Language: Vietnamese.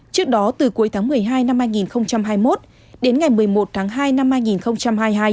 trước đó từ cuối tháng một mươi hai năm hai nghìn hai mươi một đến ngày một mươi một tháng hai năm hai nghìn hai mươi hai